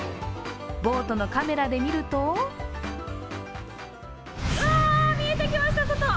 ボートのカメラで見るとうわー見えてきました、外。